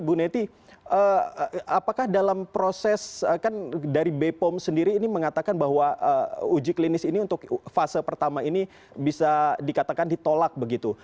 bu neti apakah dalam proses kan dari bepom sendiri ini mengatakan bahwa uji klinis ini untuk fase pertama ini bisa dikatakan ditolak begitu